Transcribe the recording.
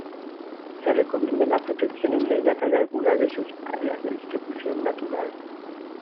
Se recomienda la protección inmediata de alguna de sus áreas de distribución natural.